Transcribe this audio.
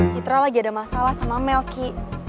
citra lagi ada masalah sama mel ki